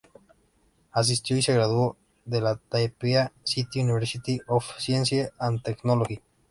Asistió y se graduó de la Taipei City University of Science and Technology.